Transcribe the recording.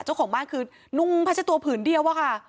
เจ้าของบ้านคือนุ่งพัชตัวผืนเดียวอะค่ะ